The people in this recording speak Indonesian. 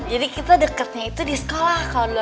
jadi kita deketnya itu di sekolah